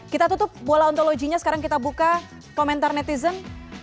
kita tutup bola ontologinya sekarang kita buka komentar netizen